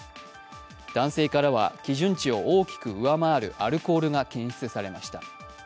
男性からは基準値を大きく上回るアルコールが検出されました。